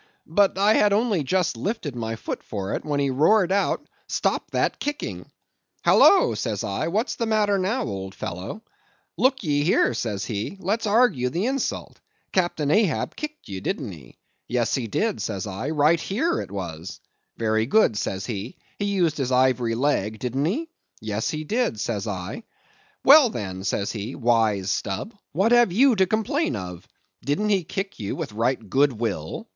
But I had only just lifted my foot for it, when he roared out, 'Stop that kicking!' 'Halloa,' says I, 'what's the matter now, old fellow?' 'Look ye here,' says he; 'let's argue the insult. Captain Ahab kicked ye, didn't he?' 'Yes, he did,' says I—'right here it was.' 'Very good,' says he—'he used his ivory leg, didn't he?' 'Yes, he did,' says I. 'Well then,' says he, 'wise Stubb, what have you to complain of? Didn't he kick with right good will?